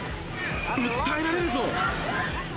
訴えられるぞ！